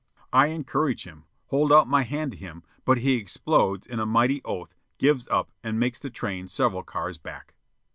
I encourage him, hold out my hand to him; but he explodes in a mighty oath, gives up and makes the train several cars back.